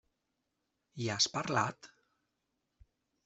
Hi has parlat?